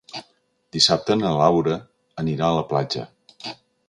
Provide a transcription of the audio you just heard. Dissabte na Laura anirà a la platja.